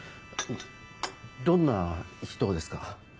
どんな人ですか？